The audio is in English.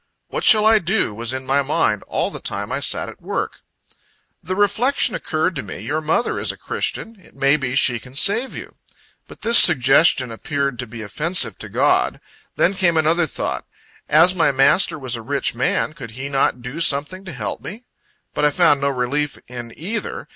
"What shall I do?" was in my mind, all the time I sat at work. The reflection occurred to me, "Your mother is a christian; it may be she can save you." But this suggestion appeared to be offensive to God. Then came another thought, "As my master was a rich man, could he not do something to help me?" But I found no relief in either